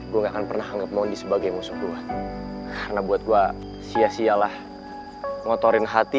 gua nggak pernah anggap mondi sebagai musuh gua karena buat gua sia sialah ngotorin hati